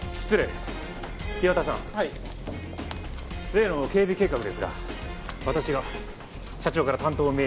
例の警備計画ですが私が社長から担当を命じられました。